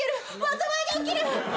災いが起きる。